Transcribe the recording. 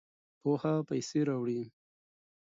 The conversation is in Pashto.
پوهه پیسې راوړي.